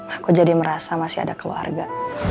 aku jadi merasa masih ada keluarga